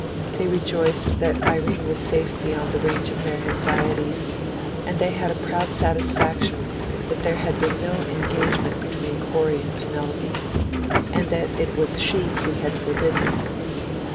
They rejoiced that Irene was safe beyond the range of their anxieties, and they had a proud satisfaction that there had been no engagement between Corey and Penelope, and that it was she who had forbidden it.